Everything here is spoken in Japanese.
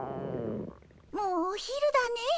もうお昼だねえ。